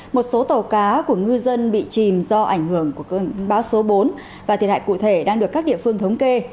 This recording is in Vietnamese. một số tàu cá của ngư dân bị chìm do ảnh hưởng của cơn bão số bốn và thiệt hại cụ thể đang được các địa phương thống kê